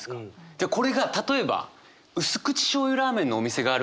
でこれが例えば「薄口しょうゆラーメンのお店があるから」